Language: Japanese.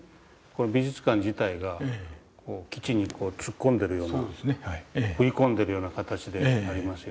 この美術館自体がこう基地に突っ込んでるような食い込んでるような形でありますよね。